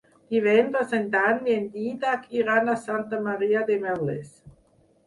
Divendres en Dan i en Dídac iran a Santa Maria de Merlès.